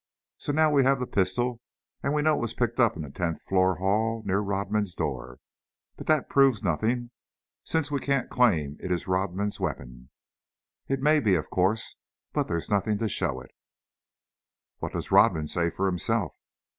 So now we have the pistol, and we know it was picked up in the tenth floor hall near Rodman's door, but that proves nothing, since we can't claim it is Rodman's weapon. It may be, of course, but there's nothing to show it." "What does Rodman say for himself?"